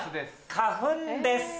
花粉です。